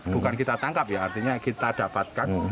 bukan kita tangkap ya artinya kita dapatkan